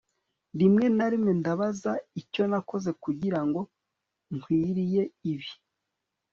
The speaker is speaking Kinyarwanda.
rimwe na rimwe ndabaza icyo nakoze kugirango nkwiriye ibi